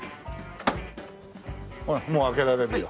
ほらもう開けられるよ。